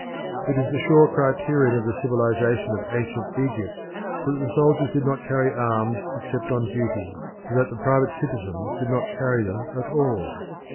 It is a sure criterion of the civilisation of ancient Egypt that the soldiers did not carry arms except on duty, and that the private citizens did not carry them at all.